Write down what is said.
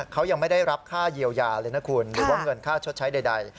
เขายังไม่ได้รับค่าเยียวยาเลยนะคุณหรือว่าเงินค่าชดใช้ใด